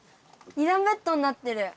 ２だんベッドになってる！